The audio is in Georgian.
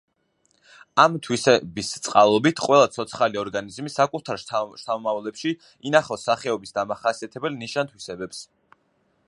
ამ თვისების წყალობით ყველა ცოცხალი ორგანიზმი საკუთარ შთამომავლებში ინახავს სახეობის დამახასიათებელ ნიშან-თვისებებს.